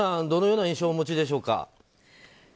どのような印象をお持ちでしょうか。